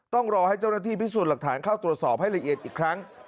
ต้องรอให้เจ้าหน้าที่พิสูจน์หลักฐานเข้าตรวจสอบให้ละเอียดอีกครั้ง